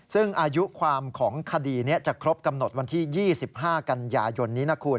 ซึ่งอายุความของคดีนี้จะครบกำหนดวันที่๒๕กันยายนนี้นะคุณ